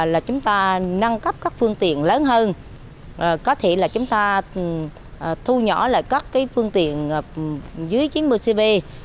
là chúng ta nâng cấp các phương tiện lớn hơn có thể là chúng ta thu nhỏ lại các phương tiện dưới chín mươi cv